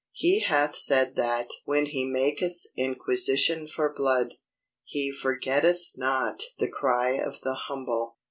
He hath said that "When he maketh inquisition for blood, he FORGETTETH NOT the cry of the humble."